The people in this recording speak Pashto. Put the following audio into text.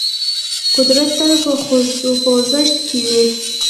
قدرت تل په خوځښت کې وي.